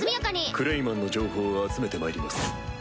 クレイマンの情報を集めてまいります。